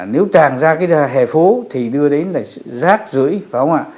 nếu tràn ra cái hẻ phố thì đưa đến là rác rưỡi phải không ạ